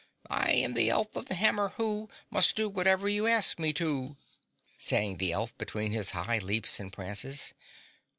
"I am the elf of the hammer, who Must do whatever you ask me to," sang the elf between his high leaps and prances.